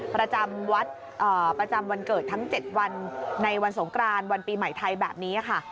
ประจำวัดประจำวันเกิดทั้ง๗วันในวันสงกรานวันปีใหม่ไทยแบบนี้ค่ะ